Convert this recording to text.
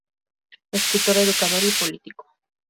Escritor, educador y político.